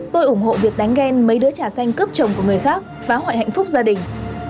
tôi ủng hộ việc đánh ghen mấy đứa trà xanh cướp chồng của người khác phá hoại hạnh phúc gia đình